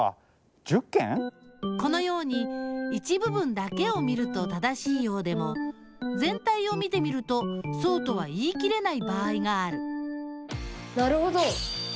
このように一部分だけを見ると正しいようでもぜん体を見てみるとそうとは言い切れない場合があるなるほど！